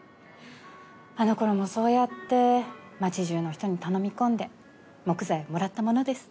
あのころもそうやって町じゅうの人に頼み込んで木材をもらったものです。